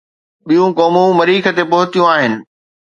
ٻيون قومون مريخ تي پهتيون آهن.